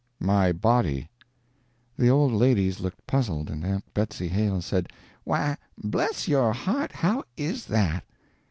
"My body." The old ladies looked puzzled, and Aunt Betsy Hale said: "Why bless your heart, how is that?"